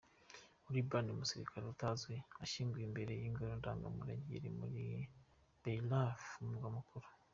Liban: Umusirikare Utazwi ashyinguwe imbere y’Ingoro Ndangamurage iri muri Beyrouth, umurwa mukuru.